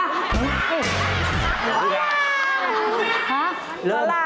นายนา